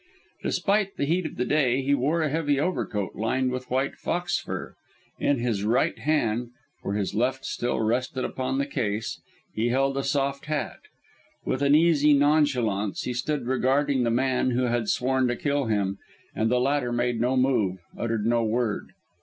Despite the heat of the day, he wore a heavy overcoat, lined with white fox fur. In his right hand for his left still rested upon the case he held a soft hat. With an easy nonchalance, he stood regarding the man who had sworn to kill him, and the latter made no move, uttered no word.